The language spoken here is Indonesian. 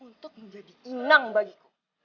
untuk menjadi inang bagiku